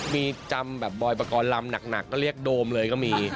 มีจำแบบบอยปกรณ์ลำหนักก็เรียกโดมเลยก็มี